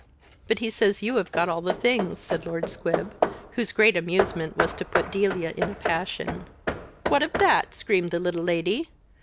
"But he says you have got all the things," said Lord Squib, whose great amusement was to put Delia in a passion. "What of that?" screamed the little lady.